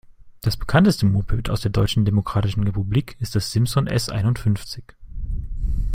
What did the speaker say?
Das bekannteste Moped aus der Deutschen Demokratischen Republik ist die Simson S einundfünfzig.